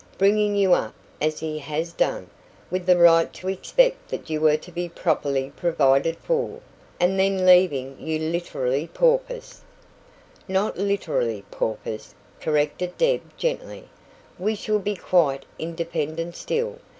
"Bringing you up as he has done, with the right to expect that you were to be properly provided for, and then leaving you literally paupers " "Not LITERALLY paupers," corrected Deb gently. "We shall be quite independent still.